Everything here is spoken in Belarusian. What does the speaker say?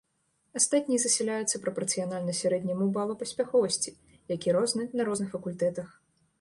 Астатнія засяляюцца прапарцыянальна сярэдняму балу паспяховасці, які розны на розных факультэтах.